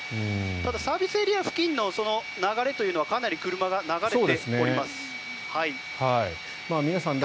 ただ、サービスエリア付近の流れというのはかなり車が流れております。